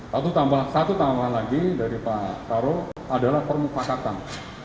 satu tambahan lagi dari pak karo adalah permukakan